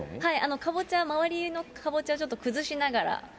かぼちゃ、周りのかぼちゃをちょっと崩しながら。